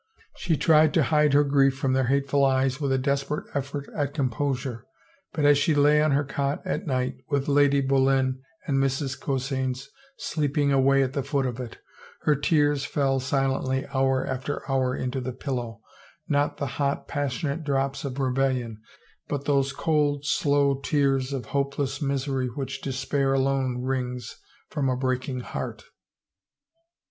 She tried to hide her grief from their hate ful eyes with a desperate effort at composure but as 335 THE FAVOR OF KINGS she lay on her cot at night, with Lady Boleyn and Mrs, Coseyns sleeping away at the foot of it, her tears fell silently hour after hour into the pillow, not the hot pas sionate drops of rebellion, but those cold, slow tears of hopeless misery which despair alone wrings from a breaking heart.